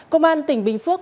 công an tỉnh bình phước